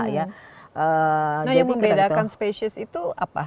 nah yang membedakan spesies itu apa